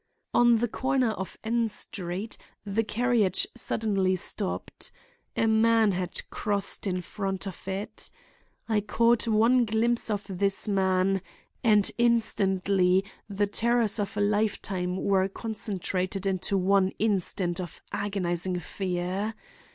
On the corner of N Street the carriage suddenly stopped. A man had crossed in front of it. I caught one glimpse of this man and instantly the terrors of a lifetime were concentrated into one instant of agonizing fear.